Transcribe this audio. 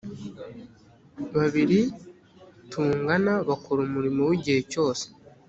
babiri tungana bakora umurimo w igihe cyose